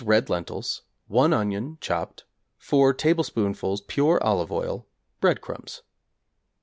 red lentils, 1 onion (chopped), 4 tablespoonfuls pure olive oil, breadcrumbs.